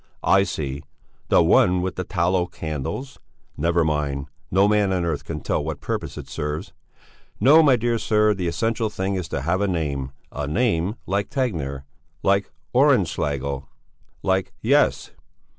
"I see! The one with the tallow candles! Never mind; no man on earth can tell what purpose it serves! No, my dear sir, the essential thing is to have a name, a name like Tegnér, like Ohrenschlägel, like Yes!